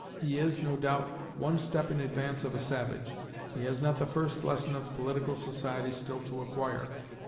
He is, no doubt, one step in advance of a savage. He has not the first lesson of political society still to acquire.